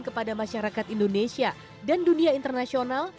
kepada masyarakat indonesia dan dunia internasional